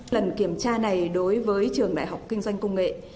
lần kiểm tra này đối với trường đại học kinh doanh công nghệ